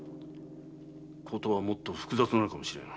事はもっと複雑なのかもしれん。